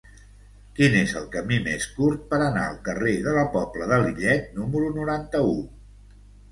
Quin és el camí més curt per anar al carrer de la Pobla de Lillet número noranta-u?